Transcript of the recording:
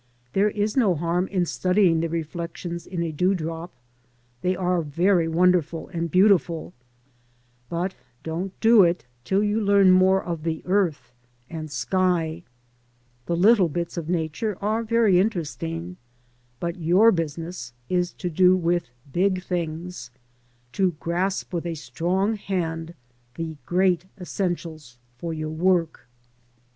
There is no harm in studying the reflections in a dewdrop. They are very wonderful and beautiful, but don't do it till you learn more of the earth and sky. The little bits of Nature are very interesting, but your business is to do with big things, to grasp with a strong hand the great essentials for your work.